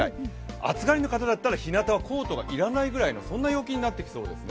暑がりの方だったら、日なたはコートが要らないぐらいの気温になってきそうですね。